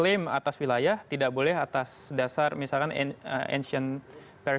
dan yang ketiga sebenarnya tanpa harus disampaikan secara terbuka